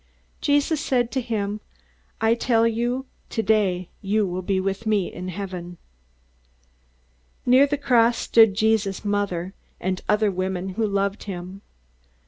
Jesus said to him, "I tell you, today you will be with me in heaven." Near the cross stood Jesus' mother and other women who loved him.